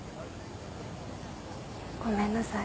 ごめんなさい。